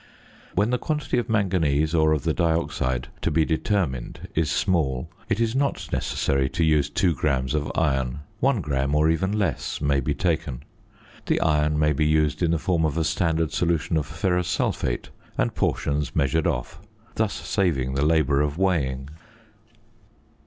When the quantity of manganese or of the dioxide to be determined is small, it is not necessary to use 2 grams of iron; 1 gram, or even less, may be taken. The iron may be used in the form of a standard solution of ferrous sulphate and portions measured off, thus saving the labour of weighing.